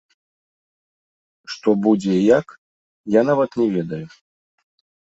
Што будзе і як, я нават не ведаю.